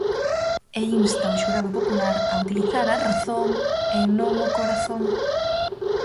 E insta o xurado popular a utilizar a razón e non o corazón.